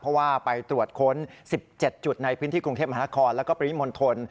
เพราะว่าไปตรวจค้น๑๗จุดในพื้นที่กรุงเทพมหานครแล้วก็ปริมณฑล